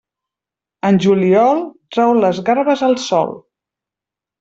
En juliol, trau les garbes al sol.